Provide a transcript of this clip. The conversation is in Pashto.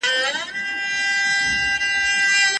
أَفَلَا يَتَدَبَّرُونَ الْقُرْآنَ.